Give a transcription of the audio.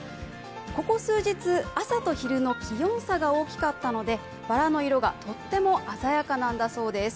ここ数日、朝と昼の気温差が大きかったので、バラの色がとっても鮮やかなんだそうです。